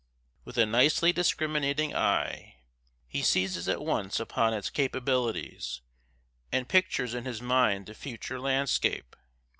With a nicely discriminating eye, he seizes at once upon its capabilities, and pictures in his mind the future landscape.